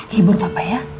hibur papa ya